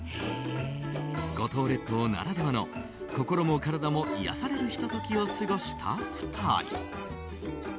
五島列島ならではの心も体も癒やされるひと時を過ごした２人。